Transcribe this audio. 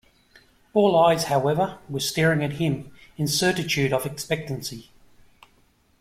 All eyes, however, were staring at him in certitude of expectancy.